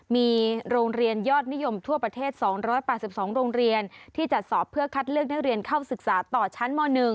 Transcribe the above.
มีโรงเรียนยอดนิยมทั่วประเทศ๒๘๒โรงเรียนที่จัดสอบเพื่อคัดเลือกนักเรียนเข้าศึกษาต่อชั้นม๑